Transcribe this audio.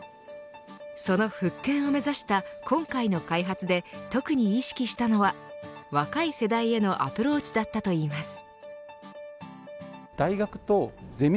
その復権を目指した今回の開発で特に意識したのは若い世代へのアプローチだったといいます。